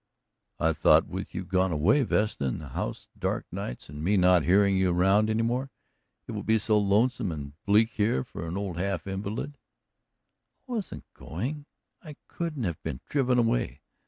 "I thought with you gone away, Vesta, and the house dark nights, and me not hearing you around any more, it would be so lonesome and bleak here for an old half invalid " "I wasn't going, I couldn't have been driven away!